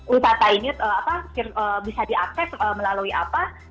wisata ini apa bisa diaksep melalui apa